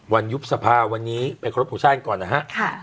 วันยุบสภาวันนี้ไปครบผู้ช่างก่อนนะฮะ